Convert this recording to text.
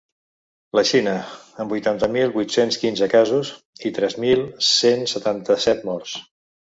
La Xina, amb vuitanta mil vuit-cents quinze casos i tres mil cent setanta-set morts.